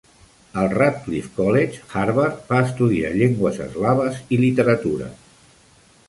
Al Radcliffe College, Harvard, va estudiar Llengües Eslaves i Literatura.